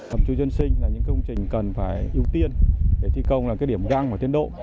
hầm chui dân sinh là những công trình cần phải ưu tiên để thi công là cái điểm găng và tiến độ